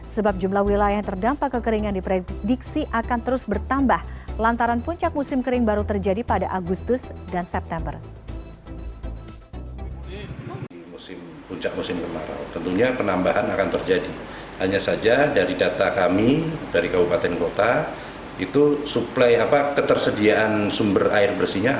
sebab jumlah wilayah yang terdampak kekeringan diprediksi akan terus bertambah lantaran puncak musim kering baru terjadi pada agustus dan september